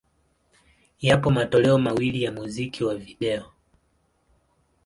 Yapo matoleo mawili ya muziki wa video.